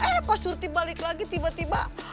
eh pas rutin balik lagi tiba tiba